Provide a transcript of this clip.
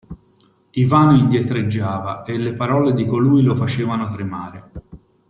Ivano indietreggiava, e le parole di colui lo facevano tremare.